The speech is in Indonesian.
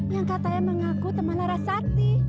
yang katanya mengaku teman lara sati